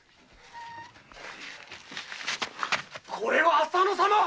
これは浅野様